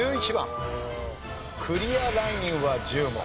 クリアラインは１０問。